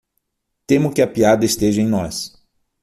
Temo que a piada esteja em nós.